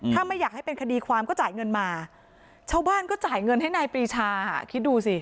ถ้าไม่อยากให้เป็นคดีความก็จ่ายเงินมาชาวบ้านก็จ่ายเงินให้นายปรีชาคิดดูสิ